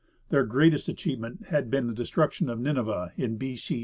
Their greatest achievement had been the destruction of Nineveh in B.C.